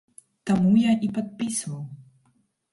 Таму я і падпісваў.